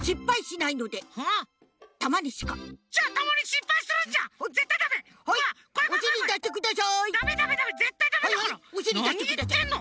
なにいってんの！？